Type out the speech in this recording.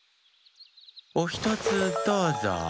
おひとつどうぞ。